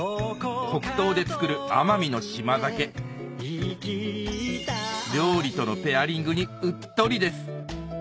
黒糖で造る奄美の島酒料理とのペアリングにうっとりです